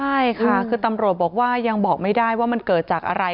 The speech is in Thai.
ใช่ค่ะคือตำรวจบอกว่ายังบอกไม่ได้ว่ามันเกิดจากอะไร